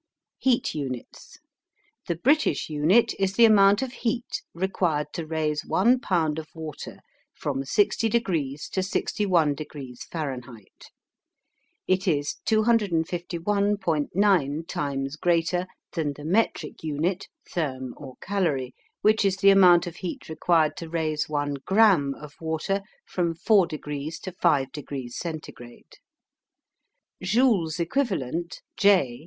HEAT UNITS. The British Unit is the amount of heat required to raise one pound of water from 60 degrees to 61 degrees Fahrenheit. It is 251.9 times greater than the metric unit, therm or calorie, which is the amount of heat required to raise one gramme of water from 4 degrees to 5 degrees centigrade. Joule's Equivalent J.